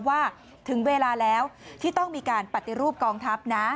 ถึงเวลาแล้วที่ต้องมีการปฏิรูปกองทัพนะ